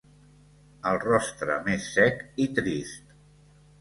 El rostre més sec i trist.